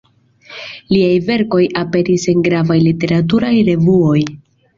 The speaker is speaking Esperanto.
Liaj verkoj aperis en gravaj literaturaj revuoj.